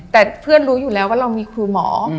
แต่เพื่อนรู้อยู่แล้วว่าเรามีครูหมอ